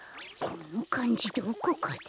このかんじどこかで。